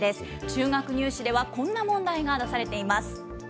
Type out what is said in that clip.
中学入試では、こんな問題が出されています。